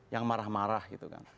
yang marah marah gitu kan